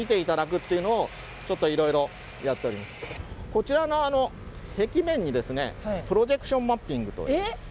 こちらの壁面にプロジェクションマッピングという。